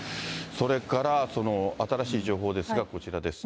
それから新しい情報ですが、こちらですね。